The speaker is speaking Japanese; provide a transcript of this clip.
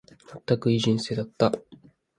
まったく、いい人生だった。